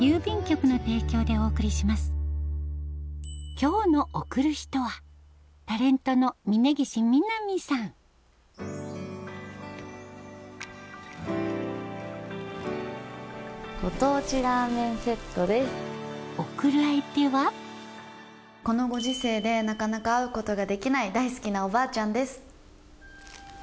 今日のこのご時世でなかなか会うことができない大好きなおばあちゃんです。